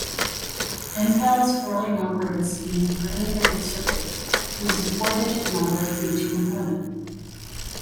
Intel's early numbering scheme for integrated circuits used a four-digit number for each component.